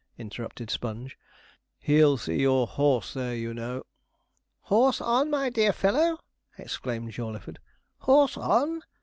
interrupted Sponge; 'he'll see your horse there, you know.' 'Horse on, my dear fellow!' exclaimed Jawleyford, 'horse on?